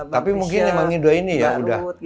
tapi mungkin memanggi dua ini ya udah